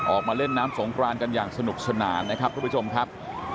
ออกมาเล่นน้ำสงกรานกันอย่างสนุกสนานนะครับทุกผู้ชมครับ